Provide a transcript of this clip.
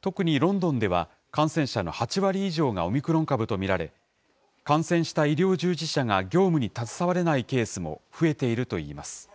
特にロンドンでは、感染者の８割以上がオミクロン株と見られ、感染した医療従事者が業務に携われないケースも増えているといいます。